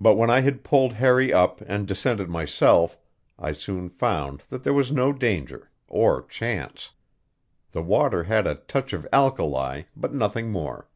But when I had pulled Harry up and descended myself I soon found that there was no danger or chance. The water had a touch of alkali, but nothing more.